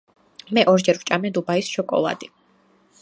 მე ორჯერ ვჭამე დუბაის შოკოლადი